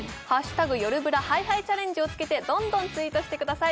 「＃よるブラＨｉＨｉチャレンジ」をつけてどんどんツイートしてください